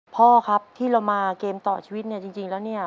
พ่อครับที่เรามาเกมต่อชีวิตเนี่ยจริงแล้วเนี่ย